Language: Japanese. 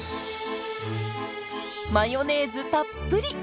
マヨネーズたっぷり！